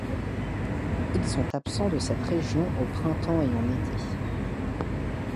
Ils sont absents de cette région au printemps et en été.